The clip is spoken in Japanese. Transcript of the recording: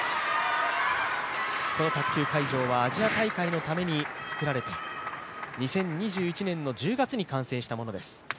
この卓球会場はアジア大会のために造られて、２０２１年の１０月に完成したものです。